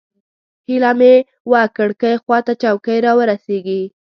هیله مې وه کړکۍ خوا ته چوکۍ راورسېږي.